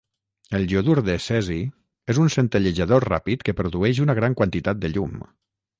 El Iodur de cesi és un centellejador ràpid que produeix una gran quantitat de llum.